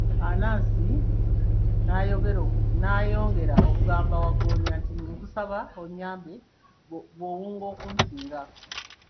Anansi n'ayongera okugamba wagggoonya nti, nkusaba onyambe, ggwe owunga okunsinga.